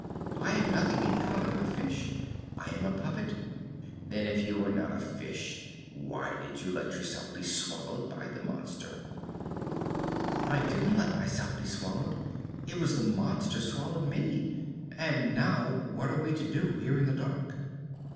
"I have nothing in common with fish. I am a puppet." "Then, if you are not a fish, why did you let yourself be swallowed by the monster?" "I didn't let myself be swallowed; it was the monster swallowed me! And now, what are we to do here in the dark?"